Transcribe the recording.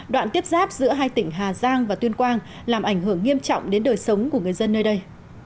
đoạn tiếp giáp giữa hai tỉnh hà giang và tuyên quang làm ảnh hưởng nghiêm trọng đến đời sống của người dân nơi đây